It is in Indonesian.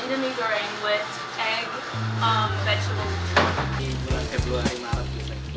indonesia dengan telur telur dan bakar